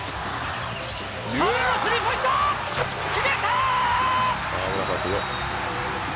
河村のスリーポイント、決めた！